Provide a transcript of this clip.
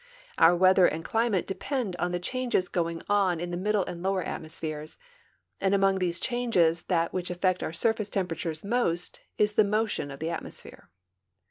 Our weather and climate depend on the changes going on in the middle and lower atmospheres, and among these changes that which affects our surface temperature most is the motion of the atmosphere.